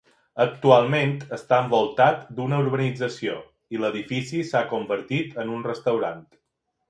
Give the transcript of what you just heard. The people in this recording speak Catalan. Actualment està envoltat d'una urbanització i l'edifici s'ha convertit en un restaurant.